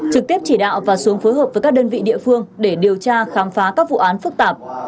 trực tiếp chỉ đạo và xuống phối hợp với các đơn vị địa phương để điều tra khám phá các vụ án phức tạp